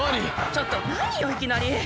ちょっと何よいきなり。